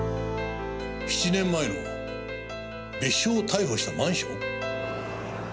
７年前の別所を逮捕したマンション？